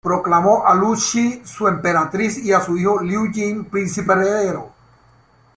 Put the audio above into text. Proclamó a Lü Zhi su emperatriz y a su hijo Liu Ying príncipe heredero.